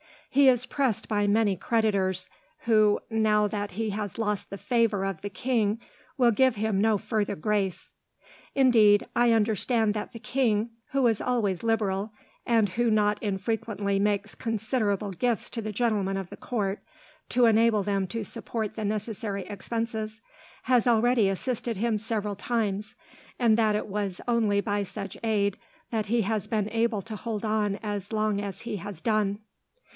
He is pressed by many creditors, who, now that he has lost the favour of the king, will give him no further grace. Indeed, I understand that the king, who is always liberal, and who not infrequently makes considerable gifts to the gentlemen of the court, to enable them to support the necessary expenses, has already assisted him several times, and that it was only by such aid that he has been able to hold on as long as he has done.